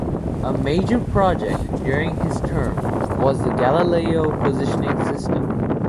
A major project during his term was the Galileo positioning system.